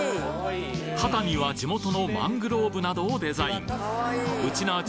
肩には地元のマングローブなどをデザインウチナー